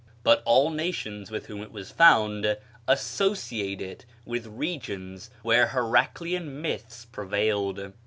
But all nations with whom it was found associate it with regions where Heraclean myths prevailed.